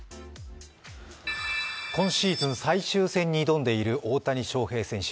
今シーズン最終戦に挑んでいる大谷翔平選手。